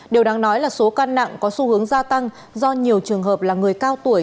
điều đáng nói là số căn nặng có xu hướng gia tăng do nhiều trường hợp là người cao tuổi